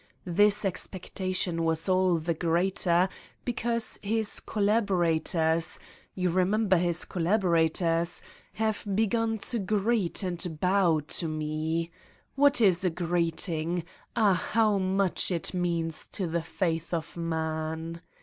This expectation was all the greater because his collaborators ... you remember his collaborators? had begun to greet and bow to me. What is a greeting? ah, how much it means to the faith of man!